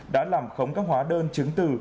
đã làm khống các hóa đơn chứng từ